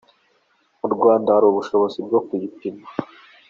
Mu Rwanda hari ubushobozi bwo kuyipima.